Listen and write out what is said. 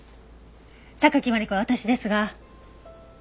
榊マリコは私ですが。